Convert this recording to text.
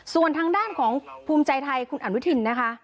ส่วนทางด้านของภูมิใจไทยคุณอนุทินนะคะ